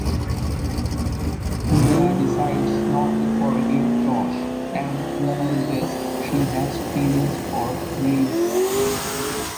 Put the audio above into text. India decides not to forgive Josh and realises she has feelings for Rhys.